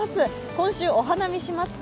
今週、お花見しますか？